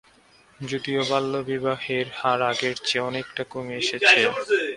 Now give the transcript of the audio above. যদিও বাল্যবিবাহের হার আগের চেয়ে অনেকটা কমে এসেছে।